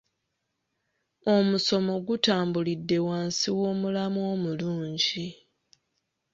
Omusomo gutambulidde wansi w'omulamwa omulungi.